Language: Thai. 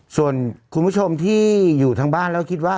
ส่วนคุณผู้ชมที่อยู่ทางบ้านแล้วคิดว่า